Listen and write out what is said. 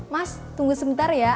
mas tunggu sebentar ya